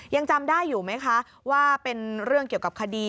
ยังจำได้อยู่ไหมคะว่าเป็นเรื่องเกี่ยวกับคดี